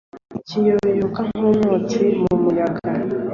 kiyoyoka nk’umwotsi mu muyaga,